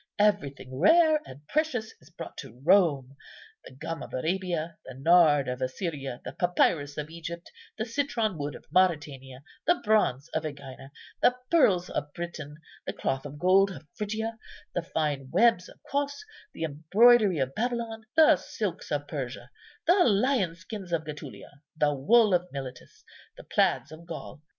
Everything rare and precious is brought to Rome: the gum of Arabia, the nard of Assyria, the papyrus of Egypt, the citron wood of Mauretania, the bronze of Ægina, the pearls of Britain, the cloth of gold of Phrygia, the fine webs of Cos, the embroidery of Babylon, the silks of Persia, the lion skins of Getulia, the wool of Miletus, the plaids of Gaul.